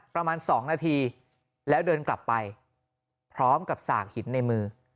ประมาณ๒นาทีแล้วเดินกลับไปพร้อมกับสากหินในมือ